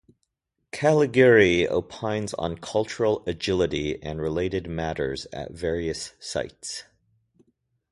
Caligiuri opines on cultural agility and related matters at various sites.